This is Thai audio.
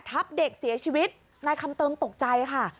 ทับเด็กเสียชีวิตนายคำเติมตกใจค่ะ